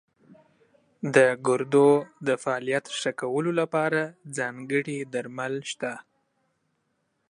د ګردو د فعالیت ښه کولو لپاره ځانګړي درمل شته.